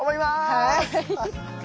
はい。